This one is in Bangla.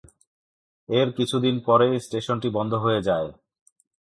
এর কিছুদিন পরেই স্টেশনটি বন্ধ হয়ে যায়।